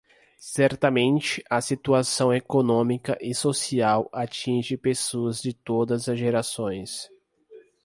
Certamente a situação econômica e social atinge pessoas de todas as gerações.